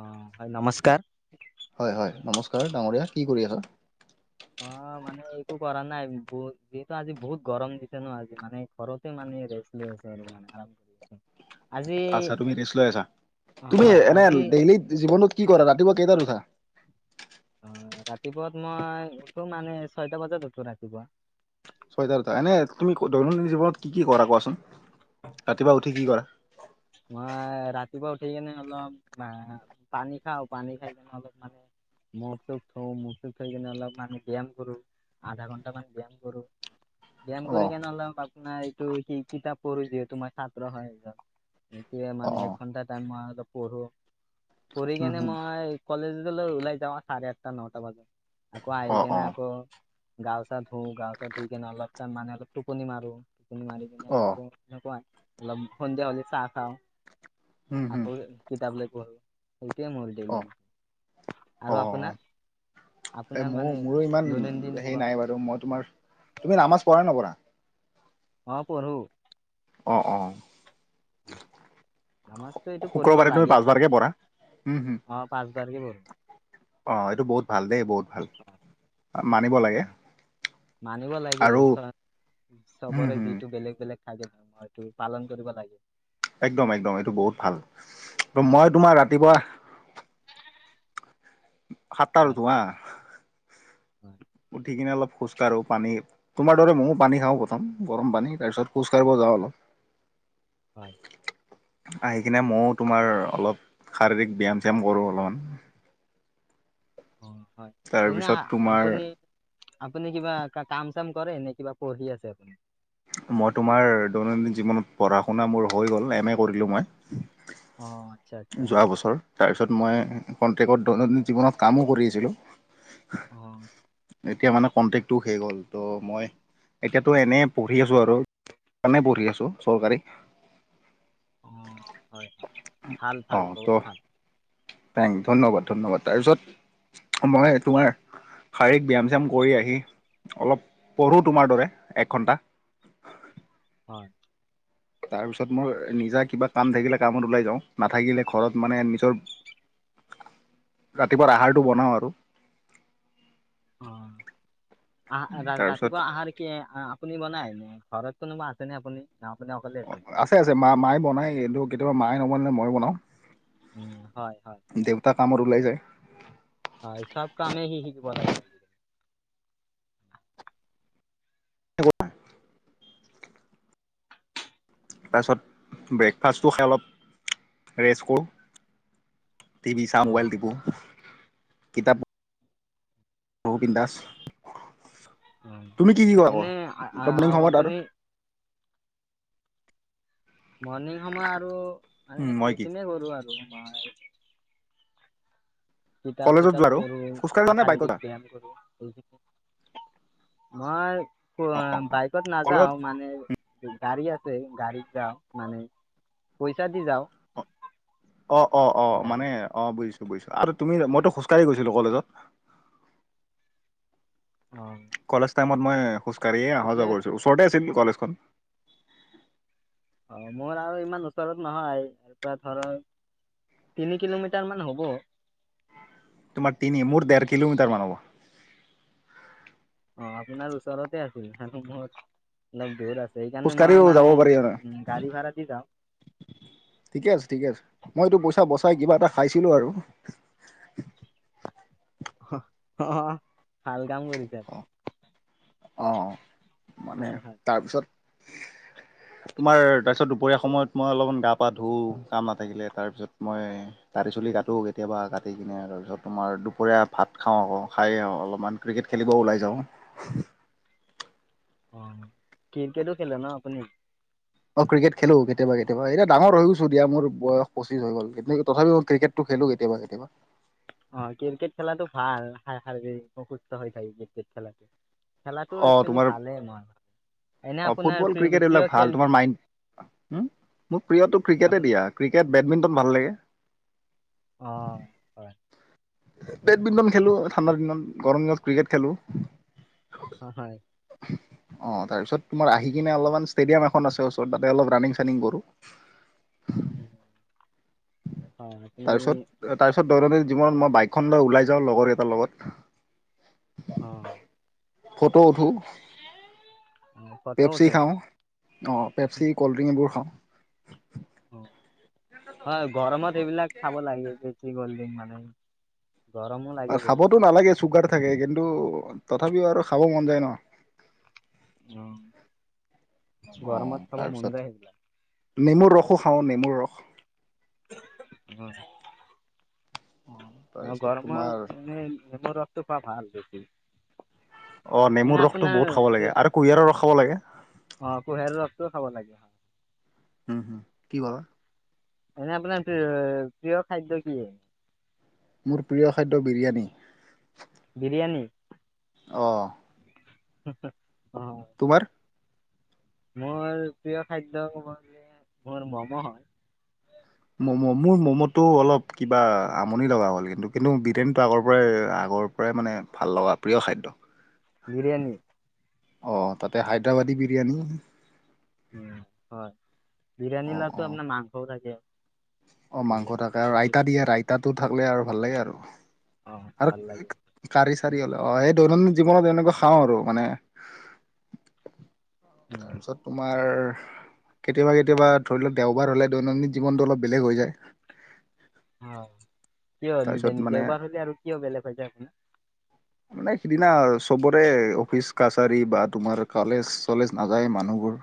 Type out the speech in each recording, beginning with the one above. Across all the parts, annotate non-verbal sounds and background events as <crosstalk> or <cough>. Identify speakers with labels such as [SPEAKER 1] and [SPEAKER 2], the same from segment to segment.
[SPEAKER 1] অ নমস্কাৰ
[SPEAKER 2] হয় নমস্কাৰ ডাঙৰীয়া। কি কৰি আছা?
[SPEAKER 1] অ মানে একো কৰা নাই বুত যিহেতু আজি বহুত গৰম দিছে ন' আজি মানে ঘৰতে মানে ৰেষ্ট লৈ আছে। <unintelligible>
[SPEAKER 2] আচ্ছা তুমি ৰেষ্ট লৈ আছা।
[SPEAKER 1] অ
[SPEAKER 2] তুমি
[SPEAKER 1] হয়
[SPEAKER 2] এনে
[SPEAKER 1] আজি
[SPEAKER 2] ডেইলিত জীৱনত কি কৰা? ৰাতিপুৱা কেইটাত উঠা?
[SPEAKER 1] অ ৰাতিপুৱাত মই উঠো মানে ছয়টা বাজাত উঠো ৰাতিপুৱা।
[SPEAKER 2] ছয়টাত উঠা। এনে তুমি দৈনদিন জীৱনত কি কি কৰা কোৱাচোন? ৰাতিপুৱা উঠি কি কৰা?
[SPEAKER 1] মই ৰাতিপুৱা উঠি কেনে অলপ মা পানী খাও পানী খাই কেনে অলপ মানে মুখ-চুখ ধুও, মুখ-চুখ ধুই কিনে অলপমান ব্যায়াম কৰো। আধা ঘন্টামান ব্যায়াম কৰো। ব্যায়াম
[SPEAKER 2] অ
[SPEAKER 1] কৰি কেনে অলপমাপ নাই এইটো কি-কিতাপ পঢ়ো, যিহেতু মই ছাত্ৰ হয় এজন। এইটোৱে
[SPEAKER 2] অ
[SPEAKER 1] মানে এক ঘন্টা টাইম মই অলপ পঢ়ো। পঢ়ি কেনে
[SPEAKER 2] উম
[SPEAKER 1] মই কলেজ ওলাই যাওঁ। চাৰে আঠটা-নটা বাজা আকৌ আহি
[SPEAKER 2] অ অ
[SPEAKER 1] কেনে আকৌ গাও চা ধু গাও চা ধুই কেনে অলপ টাইম মানে অলপ টোপনি মাৰো। টোপনি মাৰি কিনে
[SPEAKER 2] অ
[SPEAKER 1] আকৌ এনেকুৱা অলপ সন্ধিয়া হলি চা খাওঁ।
[SPEAKER 2] উম হুম
[SPEAKER 1] আকৌ কিতাপ লৈ পঢ়ো সেইটোৱে মোৰ
[SPEAKER 2] অ
[SPEAKER 1] ডেইলি। আৰু
[SPEAKER 2] অ এই
[SPEAKER 1] আপোনাৰ-আপোনাৰ মানে
[SPEAKER 2] মোৰ ইমান
[SPEAKER 1] দৈনন্দিন
[SPEAKER 2] হেৰি
[SPEAKER 1] জীৱন
[SPEAKER 2] নাই বাৰু। মই তোমাৰ তুমি নামাছ পঢ়া নপঢ়া?
[SPEAKER 1] অ', পঢ়োঁ।
[SPEAKER 2] অ-অ।
[SPEAKER 1] নামাজ ত' এইটো পঢ়িব
[SPEAKER 2] শুক্ৰবাৰে তুমি
[SPEAKER 1] লাগে।
[SPEAKER 2] পাঁচবাৰকে পঢ়া? উম হুম
[SPEAKER 1] অ', পাঁচবাৰকে পঢ়ো।
[SPEAKER 2] অ, এইটো বহুত ভাল দেই বহুত ভাল। মানিব লাগে
[SPEAKER 1] মানিব লাগে
[SPEAKER 2] আৰু
[SPEAKER 1] চ'
[SPEAKER 2] উম
[SPEAKER 1] চবৰে
[SPEAKER 2] হুম
[SPEAKER 1] যিটো বেলেগ বেলেগ। থাকে ধ, মইটো পালন কৰিব লাগে।
[SPEAKER 2] একদম - একদম এইটো বহুত ভাল। ত'
[SPEAKER 1] হয়
[SPEAKER 2] মই তোমাৰ ৰাতিপুৱাহ
[SPEAKER 1] হয়
[SPEAKER 2] সাতটাৰুটোৱা
[SPEAKER 1] হয়।
[SPEAKER 2] উঠি কিনে অলপ খোজকাঢ়ো। পানী, তোমাৰ দৰে ময়ো পানী খাওঁ প্ৰথম গৰম পানী তাৰপিছত খোজ কাঢ়িব যাওঁ অলপ। <inaudible>
[SPEAKER 1] হয়
[SPEAKER 2] আহি কিনে ময়ো তোমাৰ অলপ শাৰীৰিক ব্যায়াম চ্যায়াম কৰো অলমান।
[SPEAKER 1] অ' হয়। এনে
[SPEAKER 2] তাৰপিছত তোমাৰ
[SPEAKER 1] আপুনি আপুনি কিবা কাম চাম কৰে নে কিবা পঢ়ি আছে আপুনি?
[SPEAKER 2] মই তোমাৰ দৈনন্দিন জীৱনত পঢ়া শুনা মোৰ হৈ গ'ল। এম এ কৰিলো মই।
[SPEAKER 1] অ', আতচ্ছা আতচ্ছা।
[SPEAKER 2] যোৱা বছৰ তাৰপিছত মই কন্টেকট দৈনন্দিন জীৱনত কামো কৰি আছিলো।
[SPEAKER 1] অ'।
[SPEAKER 2] এতিয়া মানে কণ্টেকটো শেষ গ'ল, তো মই এতিয়াতো এনেই পঢ়ি আছো আৰু সেই কাৰণে পঢ়ি আছো চৰকাৰী
[SPEAKER 1] উম হয়, ভাল ভাল বহুত ভাল।
[SPEAKER 2] থেং, ধন্যবাদ ধন্যবাদ। তাৰপিছত মই তোমাৰ শাৰীৰিক ব্যায়াম চ্যাম কৰি আহি, অলপ পঢ়ো তোমাৰ দৰে, এক ঘন্টা। <inaudible>
[SPEAKER 1] হয়।
[SPEAKER 2] তাৰ পিছত মোৰ নিজা কিবা কাম থাকিলে কামত ওলাই যাওঁ নাথাকিলে ঘৰত মানে নিজৰ ৰাতিপুৱা আহাৰটো বনাওঁ আৰু।
[SPEAKER 1] অ' আ
[SPEAKER 2] তাৰপিছত
[SPEAKER 1] ৰাতিপুৱাৰ আহাৰ কি আ আপুনি বনায়, ঘৰত কোনোবা আছেনে আপুনি? না আপুনি অকলে
[SPEAKER 2] অ' আছে আছে, মা মায়ে বনাই, কিন্তু কেতিয়াবা মায়ে নবনালে মই বনাওঁ।
[SPEAKER 1] হয় হয়।
[SPEAKER 2] দেউতা কামত ওলাই যায়।
[SPEAKER 1] হয় চব কামেই সি শিকিব লাগে আজিকালি।
[SPEAKER 2] একো নাই। তাৰপিছত ব্ৰেকফাষ্টটো খাই অলপ ৰেষ্ট কৰোঁ। টিভি চাও,
[SPEAKER 1] অ'
[SPEAKER 2] মোবাইল তিপো, কিতাপ পঢ়ো বিন্দাচ।
[SPEAKER 1] অ' এনেই আ আ
[SPEAKER 2] মৰ্ণিং সময়ত আৰু
[SPEAKER 1] আপুনি মৰ্ণিং সময় আৰু মানে
[SPEAKER 2] মই কি
[SPEAKER 1] এইখিনিএ কৰো আৰু। <unintelligible> কিতাপ
[SPEAKER 2] কলেজত
[SPEAKER 1] চিতাপ
[SPEAKER 2] যোৱা আৰু
[SPEAKER 1] পঢ়ো,
[SPEAKER 2] খোজকাঢ়ি যোৱা নে বাইকত যোৱা
[SPEAKER 1] <unintelligible> ব্যায়াম কৰো। মই অ' বাইকত
[SPEAKER 2] কলেজত
[SPEAKER 1] নাযাওঁ মানে গাড়ী আছে, গাড়ীত যাওঁ মানে, পইচা দি যাওঁ।
[SPEAKER 2] অ অ' অ' অ' মানে
[SPEAKER 1] গাড়ীত
[SPEAKER 2] অ' বুজিছো। বুজিছো আৰু তুমি, মইতো খোজকাঢ়ি গৈছিলো কলেজত।
[SPEAKER 1] অ'।
[SPEAKER 2] সেইটো টাইমত মই খোজ কাঢ়িয়ে অহা যোৱা কৰিছো ওচৰতে আছিল কলেজখন।
[SPEAKER 1] অ' মোৰ আৰু ইমান ওচৰত নহয়, এতিয়া ধৰক তিনি কিলোমিটাৰ মান হ'ব।
[SPEAKER 2] তোমাৰ তিনি, মোৰ দেৰ কিলোমিটাৰ মান হ'ব।
[SPEAKER 1] অ' আপোনাৰ ওচৰতে আছিল আৰু মোৰ অলপ দূৰ আছে। সেইকাৰণে
[SPEAKER 2] খোজ
[SPEAKER 1] মই
[SPEAKER 2] কাঢ়িও
[SPEAKER 1] মানে
[SPEAKER 2] যাব পাৰি আৰু
[SPEAKER 1] উম, গাড়ী ভাড়া দি যাওঁ
[SPEAKER 2] ঠিকে আছে ঠিকে আছে। মইটো পইচা বচাই কিবা এটা খাইছিলো আৰু।
[SPEAKER 1] অ' ভাল কাম কৰিছে আপোনি।
[SPEAKER 2] অৱ, মানে
[SPEAKER 1] হয় হয়
[SPEAKER 2] তাৰপিছত তোমাৰ তাৰপিছত দুপৰীয়া সময়ত মই অলপমান গা পা ধুওঁ কাম নাথাকিলে। তাৰপিছত মই দাড়ি চুলি কাটো কেতিয়াবা কাটি কিনে আৰু তোমাৰ দুপৰীয়া ভাত খাওঁ আকৌ, খাই অলপমান ক্ৰিকেট খে খেলিব ওলাই যাওঁ।
[SPEAKER 1] অ' ক্ৰিকেটো খেলে ন আপুনি?
[SPEAKER 2] অ' ক্ৰিকেট খেলো কেতিয়াবা কেতিয়াবা। এতিয়া ডাঙৰ হৈ গৈছো দিয়া মোৰ বয়স পঁচিছ হৈ গ'ল, তথাপিও ক্ৰিকেটটো খেলো কেতিয়াবা কেতিয়াবা।
[SPEAKER 1] অ' ক্ৰিকেট খেলাটো ভাল, শাৰীৰিক সুস্থ হৈ থাক ক্ৰিকেট <unintelligible> খেলাটো
[SPEAKER 2] অ
[SPEAKER 1] একছোৱেলি
[SPEAKER 2] তোমাৰ
[SPEAKER 1] ভালে ন।
[SPEAKER 2] অ' ফুটবল, ক্ৰিকেট সেইবিলাক ভাল। তোমাৰ মাইণ্ড মোক প্ৰিয়টো ক্ৰিকেটে
[SPEAKER 1] আপোনাৰ
[SPEAKER 2] দিয়া ক্ৰিকেট বেডমিণ্টন ভাল লাগে।
[SPEAKER 1] অ হয়।
[SPEAKER 2] বেডমিণ্টন খেলোঁ ঠাণ্ডাৰ দিনত গৰম দিনত ক্ৰিকেট খেলোঁ
[SPEAKER 1] অ হয়।
[SPEAKER 2] অ তাৰপিছত তোমাৰ আহি কিনে অলপমান ষ্টেডিয়াম এখন আছে ওচৰত তাতে অলপ ৰানিং চানিং কৰো <unintelligible>
[SPEAKER 1] আ উ।
[SPEAKER 2] ত দৈনন্দিন জীৱনত মই বাইকখন লৈ ওলাই যাওঁ লগৰ এটাৰ লগত
[SPEAKER 1] অ
[SPEAKER 2] ফটো উঠো
[SPEAKER 1] ফটো
[SPEAKER 2] পেপচি
[SPEAKER 1] উঠে।
[SPEAKER 2] খাও অ, পেপচি কল্ড ড্ৰিংকবোৰ খাও।
[SPEAKER 1] অ' হয়, গৰমত সেইবিলাক খাব লাগে বেছি গল্ডেন মানে। গৰমো লাগে বহুত।
[SPEAKER 2] খাবতো নালাগে চুগাৰ থাকে কিন্তু তথাপিও আৰু খাব মন যায় ন।
[SPEAKER 1] অ
[SPEAKER 2] অ
[SPEAKER 1] গৰমত খাব
[SPEAKER 2] তাৰপিছত
[SPEAKER 1] মন যায়
[SPEAKER 2] নেমুৰ ৰসো খাওঁ নেমুৰ ৰস।
[SPEAKER 1] অ
[SPEAKER 2] অ
[SPEAKER 1] অ
[SPEAKER 2] তাৰপিছত তোমাৰ
[SPEAKER 1] গৰমত মানে নেমুৰ ৰস খোৱা ভাল বেছি
[SPEAKER 2] অ
[SPEAKER 1] এনে
[SPEAKER 2] নেমুৰ ৰসটো
[SPEAKER 1] আপোনাৰ
[SPEAKER 2] বহুত খাব লাগে আৰু কুঁহিয়াৰৰ ৰস খাব লাগে।
[SPEAKER 1] অ', কুঁহিয়াৰ ৰসটোও খাব লাগে।
[SPEAKER 2] উম, উম কি বা।
[SPEAKER 1] এনে আপোনাৰ প্ৰিয় খাদ্য কি হয়।
[SPEAKER 2] মোৰ প্ৰিয় খাদ্য বিৰিয়ানী।
[SPEAKER 1] বিৰিয়ানী
[SPEAKER 2] অঁ
[SPEAKER 1] হ, হু।
[SPEAKER 2] তোমাৰ
[SPEAKER 1] মোৰ প্ৰিয় খাদ্য ক'ব গ'লে মোৰ ম'ম' হয়।
[SPEAKER 2] ম'ম' মোৰ ম'ম'টো অলপ কিবা আমনি লগা হ'ল কিন্তু কিন্তু বিৰিয়ানীটো আগৰ পৰাই আগৰ পৰাই মানে ভাল লগা প্ৰিয় খাদ্য।
[SPEAKER 1] বিৰিয়ানী
[SPEAKER 2] অ তাতে হায়দৰাবাদী বিৰিয়ানী
[SPEAKER 1] উ হয় বিৰিয়ানী
[SPEAKER 2] অ
[SPEAKER 1] লো
[SPEAKER 2] অ
[SPEAKER 1] আপোনাৰ মাংসও থাকে।
[SPEAKER 2] অ মাংস
[SPEAKER 1] এইবিলাক
[SPEAKER 2] থাকে আৰু
[SPEAKER 1] কণী
[SPEAKER 2] ৰাইতা দিয়ে ৰাইতাটো থাকিলে আৰু ভাল লাগে আৰু।
[SPEAKER 1] অ',
[SPEAKER 2] আৰু
[SPEAKER 1] ভাল লাগে
[SPEAKER 2] কাৰিছে। চাৰি অ সেই দৈনন্দিন জীৱনত এনেকুৱা খাওঁ আৰু মানে।
[SPEAKER 1] উম,
[SPEAKER 2] তাৰপিছত তোমাৰ কেতিয়াবা কেতিয়াবা ধৰি লওক দেওবাৰ হ'লে দৈনন্দিন জীৱনটো অলপ বেলেগ হৈ যায়।
[SPEAKER 1] অ, কিয়
[SPEAKER 2] তাৰপিছত মানে
[SPEAKER 1] দেওবাৰ হলে আৰু কিয় বেলেগ হৈছে আপোনাৰ।
[SPEAKER 2] মানে সিদিনা চবৰে অফিচ কাছাৰী বা তোমাৰ ক'লেজ চলেজ নাযায় মানুহবোৰ।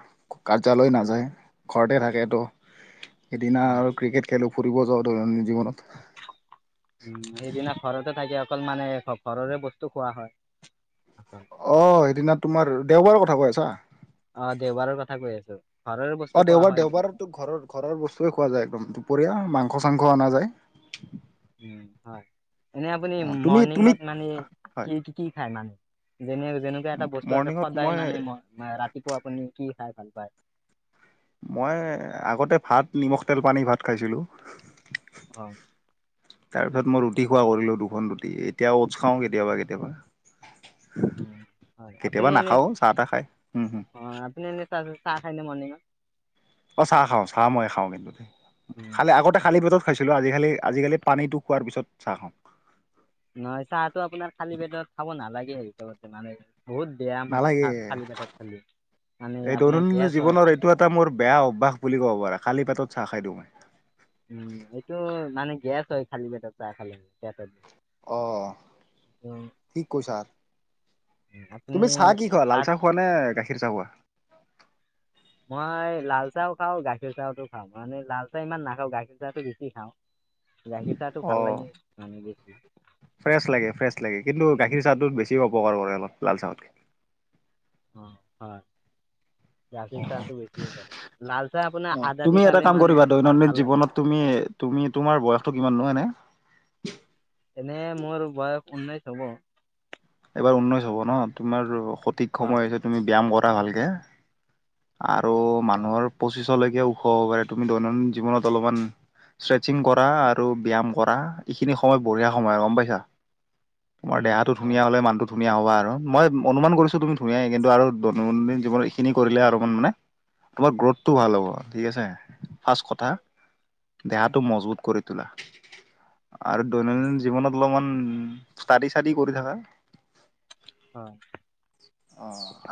[SPEAKER 2] কাৰ্যালয় নাযায় ঘৰতে থাকে তো। সেইদিনা
[SPEAKER 1] উম,
[SPEAKER 2] আৰু ক্ৰিকেট খেলোঁ ফুৰিব যাওঁ দৈনন্দিন জীৱনত।
[SPEAKER 1] উম, সেইদিনা ঘৰতে থাকে অকল মানে ঘৰৰে বস্তু খোৱা হয়।
[SPEAKER 2] অ সেইদিনা তোমাৰ দেওবাৰৰ কথা কৈ আছা।
[SPEAKER 1] অ দেওবাৰৰ কথা কৈ আছো
[SPEAKER 2] অ দেওবাৰ দেওবাৰতো ঘৰৰ ঘৰৰ বস্তুয়ে খোৱা যায় একদম দুপৰীয়া মাংস চাংস অনা যায়।
[SPEAKER 1] উ হয় এনে আপুনি
[SPEAKER 2] অ তুমি তুমি
[SPEAKER 1] মৰ্ণিঙত মানে
[SPEAKER 2] হয়
[SPEAKER 1] কি কি খায় মানে। যেনে - যেনেকুৱা এটা বস্তু আছে
[SPEAKER 2] মৰ্ণিঙত
[SPEAKER 1] সদায়
[SPEAKER 2] মই
[SPEAKER 1] মানে মই ৰাতিপুৱা আপুনি কি খাই ভাল পায়।
[SPEAKER 2] মই আগতে ভাত নিমখ তেল পানী ভাত খাইছিলো।
[SPEAKER 1] হয়।
[SPEAKER 2] তাৰ পিছত মই ৰুটি খোৱা কৰিলো দুখন ৰুটি এতিয়া অ'টছ খাওঁ কেতিয়াবা কেতিয়াবা।
[SPEAKER 1] উম, হয় আপুনি
[SPEAKER 2] কেতিয়াবা
[SPEAKER 1] এনে
[SPEAKER 2] নাখাও চাহ তাহ খাই হু হু
[SPEAKER 1] আৰু চাহ খাইনে মৰ্নিংত।
[SPEAKER 2] অ চাহ খাও চাহ মই নেখাওঁ, কিন্তু দেই খালি আগতে খালি পেটত খাইছিলো আজিকালি, আজিকালি পানীটো খোৱাৰ পিছত চাহ খাওঁ।
[SPEAKER 1] নহয়। চাহটো আপোনাৰ খালী পেটত খাব নালাগে। সেই হিচাপতে মানে, বহুত বেয়া
[SPEAKER 2] নালাগে
[SPEAKER 1] মানে খালী পেটত খালে মানে
[SPEAKER 2] এই
[SPEAKER 1] আপোনাৰ
[SPEAKER 2] দৈনন্দিন
[SPEAKER 1] গেছ হয়
[SPEAKER 2] জীৱনৰ এইটো এটা মোৰ বেয়া অভ্যাস বুলি ক'ব পাৰা খালি পেটত। চাহ খাই দিওঁ মই।
[SPEAKER 1] উম, এইটো মানে গেছ হয়। খালী পেটত চাহ খালে। পেটত
[SPEAKER 2] অ,
[SPEAKER 1] উম,
[SPEAKER 2] ঠিক কৈছা।
[SPEAKER 1] আপুনি
[SPEAKER 2] তুমি কি চাহ খোৱা। লাল
[SPEAKER 1] ভাত
[SPEAKER 2] চাহ খোৱা নে গাখীৰ চাহ খোৱা।
[SPEAKER 1] মই লাল চাহ খাওঁ। গাখীৰ চাহতো খাওঁ মানে লাল চাহ ইমান নাখাওঁ গাখীৰ চাহটো বেছি খাওঁ। গাখীৰ চাহ টো ভাল
[SPEAKER 2] অ'
[SPEAKER 1] লাগে মানে বছি।
[SPEAKER 2] ফ্ৰেছ লাগে ফ্ৰেছ লাগে কিন্তু গাখীৰ চাহটোত বেছি অপকাৰ কৰে অলপ লাল চাহতকে।
[SPEAKER 1] অ হয়। গাখীৰ চাহটো বেছিয়ে কৰে। লাল চাহ আপোনাৰ
[SPEAKER 2] অ'
[SPEAKER 1] আদা
[SPEAKER 2] তুমি
[SPEAKER 1] দি
[SPEAKER 2] এটা
[SPEAKER 1] খালে
[SPEAKER 2] কাম
[SPEAKER 1] মানে
[SPEAKER 2] কৰিবা
[SPEAKER 1] অলপ মানে
[SPEAKER 2] দৈনন্দিন
[SPEAKER 1] ভাল লাগে।
[SPEAKER 2] জীৱনত তুমি তুমি তোমাৰ বয়সটো কিমান এনেই নো?
[SPEAKER 1] এনে মোৰ বয়স উনৈশ হব।
[SPEAKER 2] ঊনৈশ হ'ব ন তোমাৰ সঠিক
[SPEAKER 1] হয়
[SPEAKER 2] সময় তুমি ব্যায়াম কৰা ভালকে। আৰু
[SPEAKER 1] হয়
[SPEAKER 2] মানুহৰ পঁচিছলৈকে ওখ হ'ব পাৰে। তুমি দৈনন্দিন জীৱনত অলপমান ষ্ট্ৰেচিং কৰা আৰু ব্যায়াম কৰা এইখিনি সময় বঢ়িয়া সময় আৰু গম পাইছা। তোমাৰ
[SPEAKER 1] উম
[SPEAKER 2] দেহাটো
[SPEAKER 1] হয়
[SPEAKER 2] ধুনীয়া হলে মানুটো, ধুনীয়া হবা আৰু মই অনুমান কৰিছো তুমি ধুনীয় কিন্তু আৰু দৈনন্দিন জীৱন এইখিনি কৰিলে আৰু অ মানে তোমাৰ গ্ৰ'থটো ভাল হ'ব ঠিক আছে ফাৰ্ষ্ট কথা। দেহাটো মজবুত কৰি তোলা। আৰু দৈনন্দিন জীৱনত অলপমান ষ্টাডি-চডি কৰি থাকা।
[SPEAKER 1] হয়
[SPEAKER 2] অ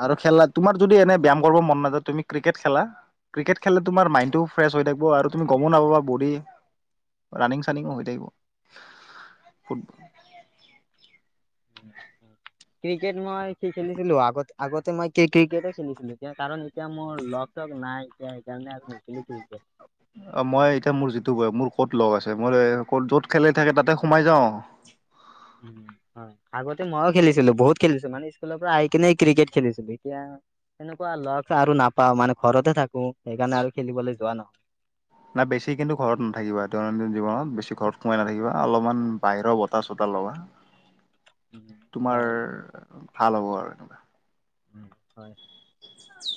[SPEAKER 2] আৰু খেলা তোমাৰ যদি এনে ব্যায়াম কৰিব মন মাজত তুমি ক্ৰিকেট খেলা। ক্ৰিকেট খেলে তোমাৰ মাইণ্ডটো ফ্ৰেছ হৈ থাকিব আৰু তুমি গমো নাপাবা বডী। ৰানিং-চানিং হৈ থাকিব ফুটবল।
[SPEAKER 1] ক্ৰিকেট মই খেলিছিলো আগতে। আগতে মই ক্ৰিকেটে খেলিছিলো কাৰণ এতিয়া মোৰ লগ চগ নাই এতিয়া। সেইকাৰণে আৰু নেখেলো ক্ৰিকেট।
[SPEAKER 2] অ মই এতিয়া মোৰ যিটো বয়স মোৰ। ক'ত লগ আছে মোৰ ক'ত য'ত খেলে থাকে তাতে সোমাই যাওঁ।
[SPEAKER 1] উ হয় আগতে ময়ো খেলিছিলো বহুত। খেলিছিলো মানে স্কুলৰ পৰা আহি কিনে ক্ৰিকেট খেলিছিলো এতিয়া। এনেকুৱা লগ আৰু নাপাও মানে ঘৰতে থাকো সেইকাৰণে আৰু খেলিবলৈ যোৱা নহয়।
[SPEAKER 2] না বেছি কিন্তু ঘৰত নাথাকিবা, দৈনন্দিন জীৱনত বেছি ঘৰত সোমাই নাথাকিবা অলপমান বাহিৰৰ বতাহ চতাহ লবা, তোমাৰ
[SPEAKER 1] হয়
[SPEAKER 2] ভাল হব আৰু এনেকুৱা
[SPEAKER 1] হয়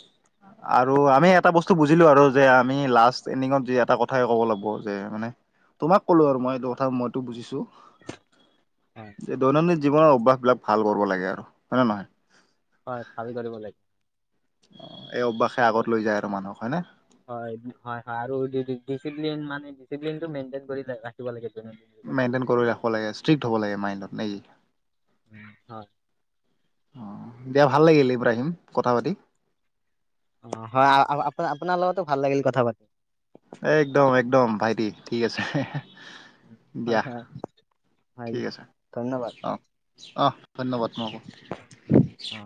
[SPEAKER 2] <inaudible> আৰু আমি এটা বস্তু বুজিলো আৰু যে আমি লাষ্ট এডিঙত যে এটা কথাই কব লাগব যে মানে তোমাক কলো আৰু মই এইটো কথা মইতো বুজিছোঁ
[SPEAKER 1] হয়
[SPEAKER 2] যে দৈনন্দিন জীৱনৰ অভাস বিলাক ভাল কৰিব লাগে আৰু হয় নে নহয়
[SPEAKER 1] হয় ভাবি কৰিব লাগে
[SPEAKER 2] এই অভ্যাসে আগত লৈ যায় আৰু মানুহক হয়নে
[SPEAKER 1] তিনদিন মানে, তিনদিনটো মেইনটেইন কৰি ৰাখিব লাগে, তেনে
[SPEAKER 2] মেইনটেইন কৰি ৰাখিব লাগে, ষ্ট্ৰিক্ট হব লাগে মাইণ্ডত নেকি
[SPEAKER 1] হয়
[SPEAKER 2] অহ, দিয়া ভাল লাগিলে এইবাৰ আহিম কথা পাতিম
[SPEAKER 1] অ হয় আপোনাৰ লগতো ভাল লাগিল কথা পাতি।
[SPEAKER 2] একদম একদম ভাইটি ঠিক আছে।
[SPEAKER 1] হ্যাঁ
[SPEAKER 2] দিয়া
[SPEAKER 1] হ্যাঁ ভাই
[SPEAKER 2] ঠিক আছে,
[SPEAKER 1] ধন্যবাদ।
[SPEAKER 2] অ অ ধন্যবাদ মোক
[SPEAKER 1] অ